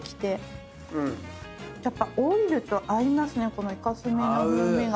このイカ墨の風味が。